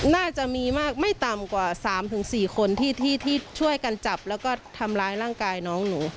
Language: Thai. น่าจะมีมากไม่ต่ำกว่า๓๔คนที่ช่วยกันจับแล้วก็ทำร้ายร่างกายน้องหนู